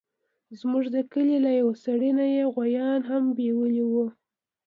زموږ د کلي له يوه سړي يې غويان هم بيولي وو.